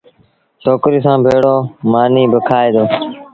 ڇوڪري سآݩ ڀيڙو مآݩيٚ با کآئي دو۔